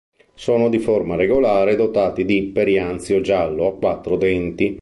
Sono di forma regolare e dotati di perianzio giallo a quattro denti.